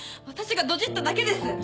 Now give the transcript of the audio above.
私がドジっただけです。